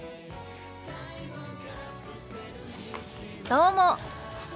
どうも。